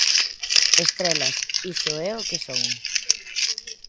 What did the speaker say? Estrelas, iso é o que son.